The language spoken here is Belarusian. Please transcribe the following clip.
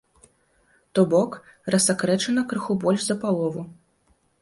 То бок, рассакрэчана крыху больш за палову.